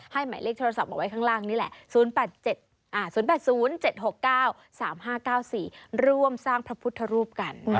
หมายเลขโทรศัพท์เอาไว้ข้างล่างนี่แหละ๐๘๐๗๖๙๓๕๙๔ร่วมสร้างพระพุทธรูปกัน